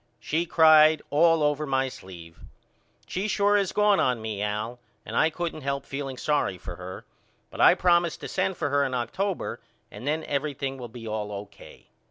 She cried all over my sleeve. She sure is gone on me Al and I couldn't help feeling sorry for her but I promised to send for her in October and then everything will be all O.K.